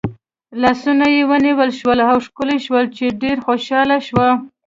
لاسونه یې ونیول شول او ښکل شول چې ډېره خوشحاله شوه.